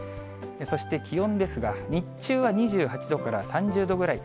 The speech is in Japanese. そして、気温ですが、日中は２８度から３０度ぐらい。